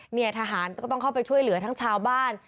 เนี่ยทหารก็ต้องเข้าไปช่วยเหลือทั้งชาวบ้าน